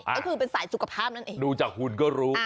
ก็คือเป็นสายสุขภาพนั่นเองดูจากหุ่นก็รู้